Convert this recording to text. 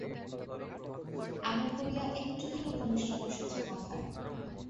এমনি করিয়া একটুখানি ঘনিষ্ঠতার সূত্রপাত হয়।